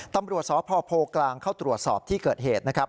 ตำรวจสพโพกลางเข้าตรวจสอบที่เกิดเหตุนะครับ